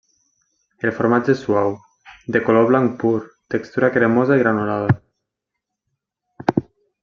El formatge és suau, de color blanc pur, textura cremosa i granulada.